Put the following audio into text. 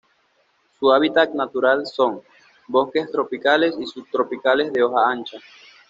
Su hábitat natural son: bosques tropicales y subtropicales de hoja ancha.